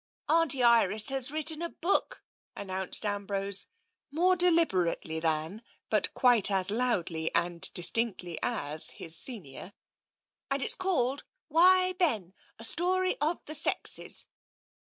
" Auntie Iris has written a book !" announced Am brose, more deliberately than, but quite as loudly and distinctly as, his senior. " And it's called, * Why, Ben ! A Story of the Sexes.'